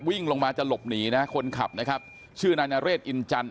วิ่งลงมาจะหลบหนีนะคนขับนะครับชื่อนายนเรศอินจันท